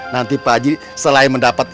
nanti pak haji selain mendapat